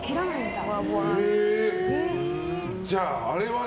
じゃあ、あれは？